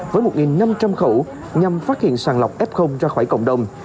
với một năm trăm linh khẩu nhằm phát hiện sàng lọc f ra khỏi cộng đồng